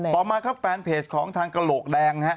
ต่อมาครับแฟนเพจของทางกระโหลกแดงนะฮะ